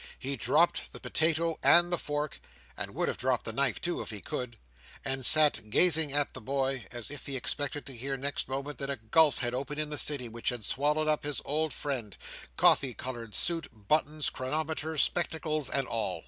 He dropped the potato and the fork—and would have dropped the knife too if he could—and sat gazing at the boy, as if he expected to hear next moment that a gulf had opened in the City, which had swallowed up his old friend, coffee coloured suit, buttons, chronometer, spectacles, and all.